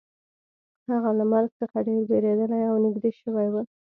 هغه له مرګ څخه ډیر ویریدلی او نږدې شوی و